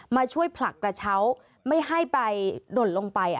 มาช่วยผลักกระเช้าไม่ให้ไปหล่นลงไป